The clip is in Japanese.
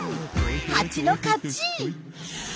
ハチの勝ち！